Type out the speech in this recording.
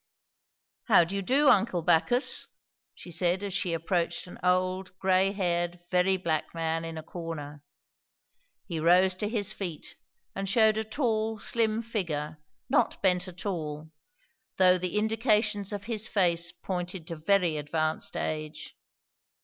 "How do you do, uncle Bacchus?" she said as she approached an old, gray haired, very black man in a corner. He rose to his feet and shewed a tall, slim figure, not bent at all, though the indications of his face pointed to very advanced age.